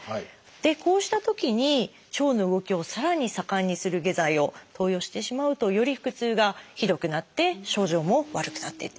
でこうしたときに腸の動きをさらに盛んにする下剤を投与してしまうとより腹痛がひどくなって症状も悪くなっていってしまうと。